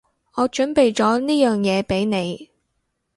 我準備咗呢樣嘢畀你